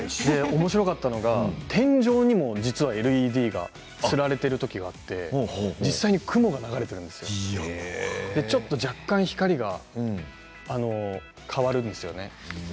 おもしろかったのは天井にもＬＥＤがつられていることがあって実際に雲が流れていて若干、光が変わるんですよね。